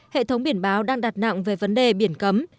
hệ thống biển báo đang đặt nặng về vấn đề biển cấm